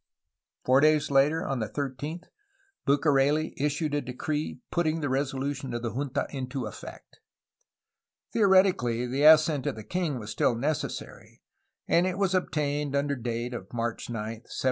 Four days later, on the 13th, Bucareli issued a decree putting the resolution of the junta into effect. Theoretically the assent of the king was still necessary, and it w^as obtained under date of March 9, 1774.